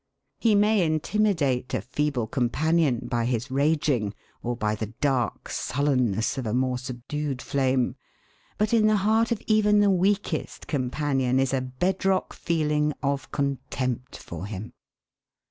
He may intimidate a feeble companion by his raging, or by the dark sullenness of a more subdued flame, but in the heart of even the weakest companion is a bedrock feeling of contempt for him.